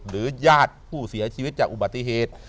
ญาติผู้เสียชีวิตจากอุบัติเหตุ